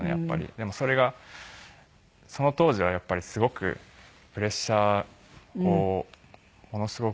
でもそれがその当時はやっぱりすごくプレッシャーをものすごく受けるんですよ。